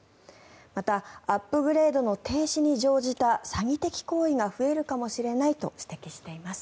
また、アップグレードの停止に乗じた詐欺的行為が増えるかもしれないと指摘しています。